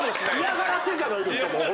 嫌がらせじゃないですか。